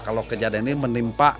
kalau kejadian ini menimpa